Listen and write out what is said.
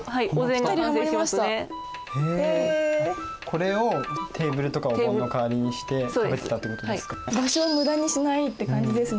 これをテーブルとかお盆の代わりにして食べてたってことですか。